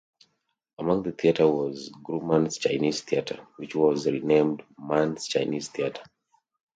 Among the theatres was Grauman's Chinese Theatre, which was renamed Mann's Chinese Theatre.